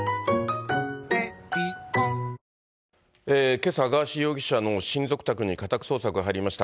けさ、ガーシー容疑者の親族宅に家宅捜索が入りました。